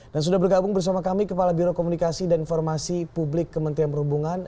dan sudah bergabung bersama kami kepala biro komunikasi dan informasi publik kementerian perhubungan